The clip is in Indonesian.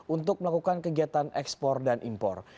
untuk melakukan kegiatan ekspor dan impor